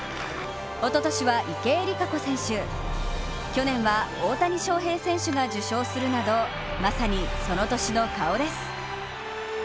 おととしは池江璃花子選手、去年は、大谷翔平選手が受賞するなどまさに、その年の顔です。